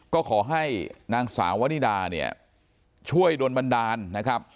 ก็ขอให้นางสาววนิดาเนี่ยช่วยโดนบันดาลนะครับ